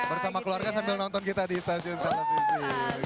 bersama keluarga sambil nonton kita di stasiun televisi